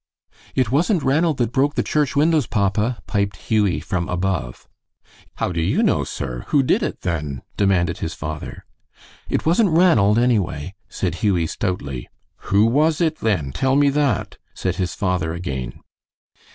"It wasn't Ranald that broke the church windows, papa," piped Hughie from above. "How do you know, sir? Who did it, then?" demanded his father. "It wasn't Ranald, anyway," said Hughie, stoutly. "Who was it, then? Tell me that," said his father again.